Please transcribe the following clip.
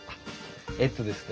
えっとですね